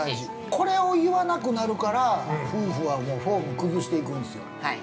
これを言わなくなるから夫婦はフォームを崩していくんですよ。